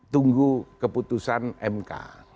tunggu keputusan mk